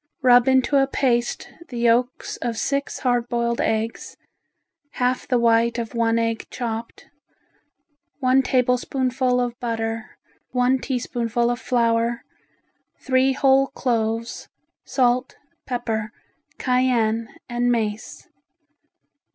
Rub into a paste the yolks of six hard boiled eggs, half the white of one egg chopped, one tablespoonful of butter, one teaspoonful of flour, three whole cloves, salt, pepper, cayenne and mace.